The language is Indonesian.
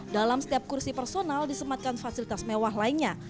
dalam setiap kursi personal disematkan fasilitas mewah lainnya